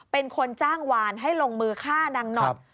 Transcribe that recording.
เป็นคนจ้างวานให้ลงมือฆ่านางหนอด